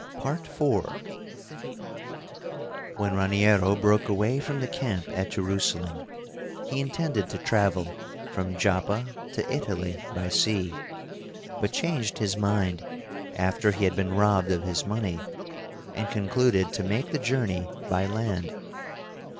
IV When Raniero broke away from the camp at Jerusalem, he intended to travel from Joppa to Italy by sea, but changed his mind after he had been robbed of his money, and concluded to make the journey by land.